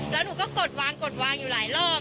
แล้วหนูก็กดวางกดวางอยู่หลายรอบ